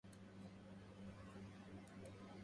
يا أيها الراكب الغادي لطيته